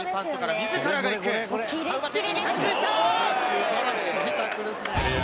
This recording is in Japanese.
素晴らしいタックルですね。